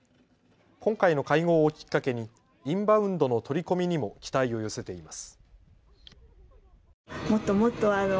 今回の会合をきっかけにインバウンドの取り込みにも期待を寄せています。